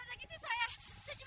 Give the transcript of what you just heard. mau jadi kayak gini sih salah buat apa